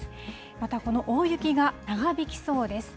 またこの大雪が長引きそうです。